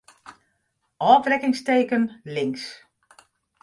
Ofbrekkingsteken links.